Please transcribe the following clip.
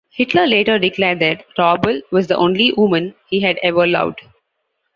Hitler later declared that Raubal was the only woman he had ever loved.